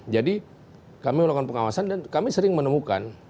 jadi kami melakukan pengawasan dan kami sering menemukan